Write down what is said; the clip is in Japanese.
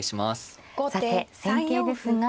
さて戦型ですが。